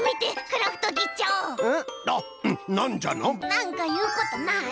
なんかいうことない？